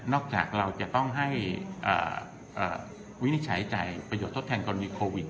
นอกจากเราจะต้องให้เอ่อเอ่อวินิจฉายใจประโยชน์ทดแทนการมีโควิด